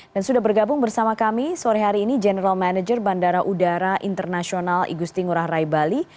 dan sudah bergabung bersama kami sore hari ini general manager bandara udara internasional igusti ngurah rai bali